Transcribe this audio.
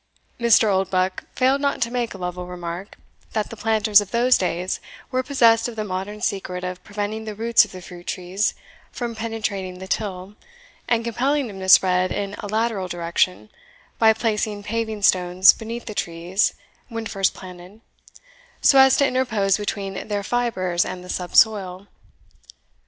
Mr. Oldbuck failed not to make Lovel remark, that the planters of those days were possessed of the modern secret of preventing the roots of the fruit trees from penetrating the till, and compelling them to spread in a lateral direction, by placing paving stones beneath the trees when first planted, so as to interpose between their fibres and the subsoil.